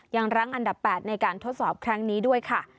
ยังรั้งอันดับ๘ในการทดสอบครั้งนี้ด้วยค่ะ